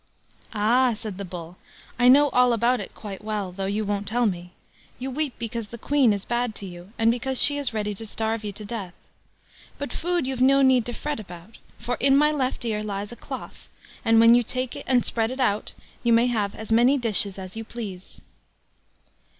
"Ah!" said the Bull, "I know all about it quite well, though you won't tell me; you weep because the Queen is bad to you, and because she is ready to starve you to death. But food you've no need to fret about, for in my left ear lies a cloth, and when you take and spread it out, you may have as many dishes as you please."